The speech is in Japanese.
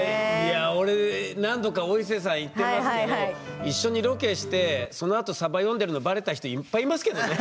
俺何度かお伊勢さん行ってますけど一緒にロケしてそのあとさば読んでるのバレた人いっぱいいますけどね。